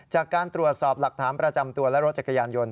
จากการตรวจสอบหลักฐานประจำตัวและรถจักรยานยนต